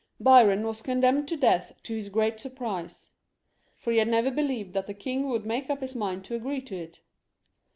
Biron was condemned to death to his great surprise ; for he had never believed that the king would make up his mind to agree to it.